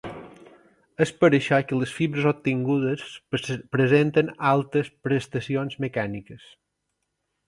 És per això que les fibres obtingudes presenten altes prestacions mecàniques.